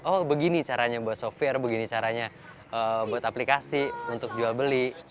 oh begini caranya buat software begini caranya buat aplikasi untuk jual beli